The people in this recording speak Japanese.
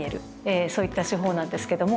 そういった手法なんですけども。